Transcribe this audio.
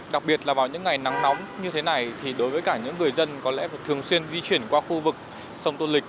đặc biệt là vào những ngày nắng nóng như thế này thì đối với cả những người dân có lẽ phải thường xuyên di chuyển qua khu vực sông tô lịch